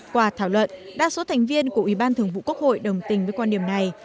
qua thảo luận đa số thành viên của ủy ban thường vụ quốc hội đồng tình với quan điểm này